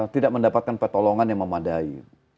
tidak mendapatkan pertolongan yang memadai